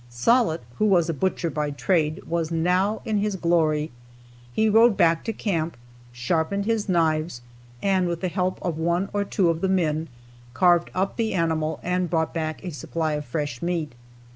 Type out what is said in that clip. Sollitt, who was a butcher by trade, was now in his glory. He rode back to camp, sharpened his knives and with the help of one or two of the men carved up the animal and brought back a supply of fresh meat.